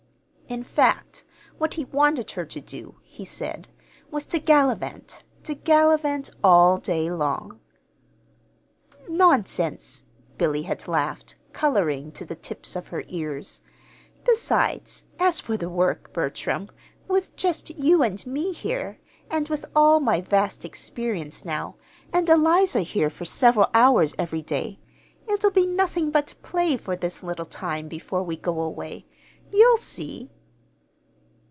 In fact, what he wanted her to do, he said, was to gallivant to gallivant all day long. "Nonsense!" Billy had laughed, coloring to the tips of her ears. "Besides, as for the work, Bertram, with just you and me here, and with all my vast experience now, and Eliza here for several hours every day, it'll be nothing but play for this little time before we go away. You'll see!"